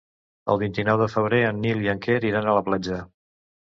El vint-i-nou de febrer en Nil i en Quer iran a la platja.